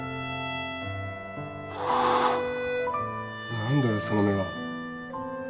何だよその目は